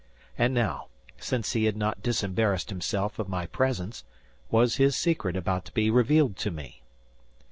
And now, since he had not disembarrassed himself of my presence, was his secret about to be revealed to me?